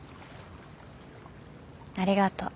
ありがとう。